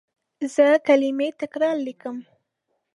زه کلمې تکرار لیکم.